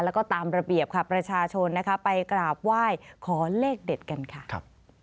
แล้วก็ตามระเบียบค่ะประชาชนนะคะไปกราบไหว้ขอเลขเด็ดกันค่ะ